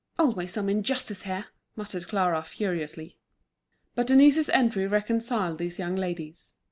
"Always some injustice here!" muttered Clara, furiously. But Denise's entry reconciled these young ladies.